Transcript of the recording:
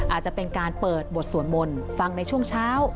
อาจจะเป็นการเปิดบทสวดมนต์ฟังในช่วงเช้า